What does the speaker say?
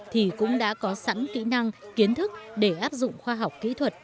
thì cũng đã có sẵn kỹ năng kiến thức để áp dụng khoa học kỹ thuật